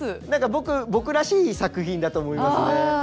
僕僕らしい作品だと思いますね。